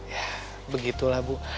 yah begitulah bu